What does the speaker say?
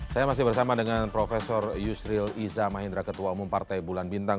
saya masih bersama dengan prof yusril iza mahendra ketua umum partai bulan bintang